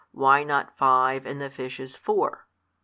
why not five, and the fishes four?